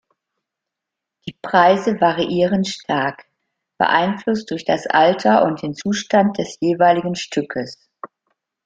Die Preise variieren stark, beeinflusst durch das Alter und den Zustand des jeweiligen Stückes.